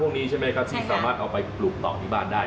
นี้ใช่ไหมครับที่สามารถเอาไปปลูกต่อที่บ้านได้